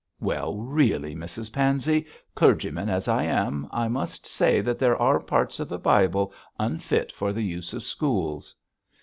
'Well, really, Mrs Pansey, clergyman as I am, I must say that there are parts of the Bible unfit for the use of schools.'